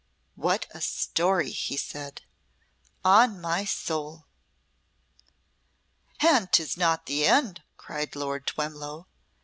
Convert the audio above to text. "What a story," he said. "On my soul!" "And 'tis not the end!" cried Lord Twemlow.